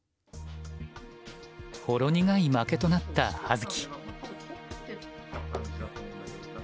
ほろ苦い負けとなった葉月。